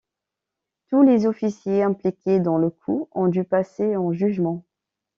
Tous les officiers impliqués dans le coup ont dû passer en jugement.